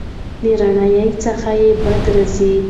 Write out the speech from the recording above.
له رڼایي څخه یې بدې راځي.